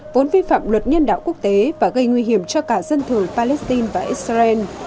vốn vi phạm luật nhân đạo quốc tế và gây nguy hiểm cho cả dân thường palestine và israel